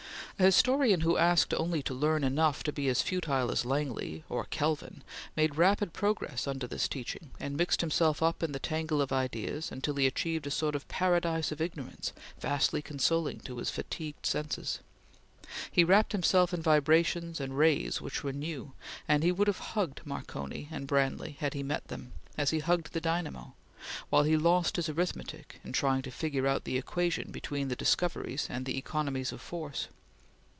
A historian who asked only to learn enough to be as futile as Langley or Kelvin, made rapid progress under this teaching, and mixed himself up in the tangle of ideas until he achieved a sort of Paradise of ignorance vastly consoling to his fatigued senses. He wrapped himself in vibrations and rays which were new, and he would have hugged Marconi and Branly had he met them, as he hugged the dynamo; while he lost his arithmetic in trying to figure out the equation between the discoveries and the economies of force.